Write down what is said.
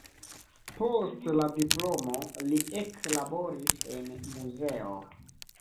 Post la diplomo li eklaboris en muzeo.